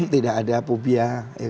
tidak ada apobia